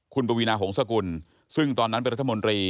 คุณปวีนาหงษกุลซึ่งตอนนั้นเป็นรัฐมนตรี